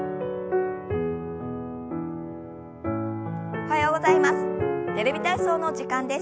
おはようございます。